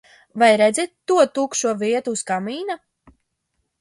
Vai redzi to tukšo vietu uz kamīna?